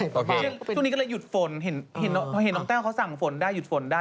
ช่วงนี้ก็เลยหยุดฝนพอเห็นน้องแต้วเขาสั่งฝนได้หยุดฝนได้